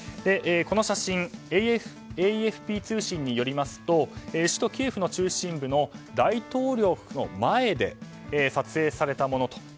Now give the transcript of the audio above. この写真ＡＦＰ通信によりますと首都キエフの中心部の大統領府の前で撮影されたものと。